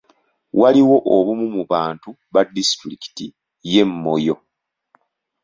Waliwo obumu mu bantu ba disitulikiti y'e Moyo.